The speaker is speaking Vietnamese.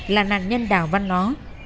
là nạn nhân đào văn nó